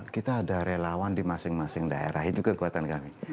kita ada relawan di masing masing daerah itu kekuatan kami